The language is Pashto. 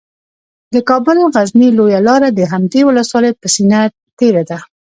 د کابل غزني لویه لاره د همدې ولسوالۍ په سینه تیره ده